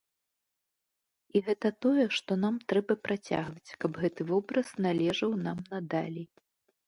І гэта тое, што нам трэба працягваць, каб гэты вобраз належаў нам надалей.